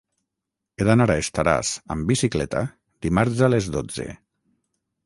He d'anar a Estaràs amb bicicleta dimarts a les dotze.